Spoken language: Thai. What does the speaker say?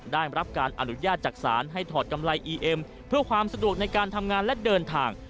ได้รับการอนุญาตจากศาลให้ถอดกำไรอีเอ็มเพื่อความสะดวกในการทำงานและเดินทาง